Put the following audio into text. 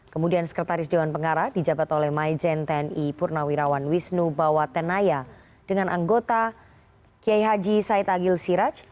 kemudian sekretaris dewan pengarah dijabat oleh maijen tni purnawirawan wisnu bawatenaya dengan anggota kiai haji said agil siraj